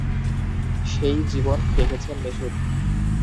সেই জীবন দেখেছেন মেসুত।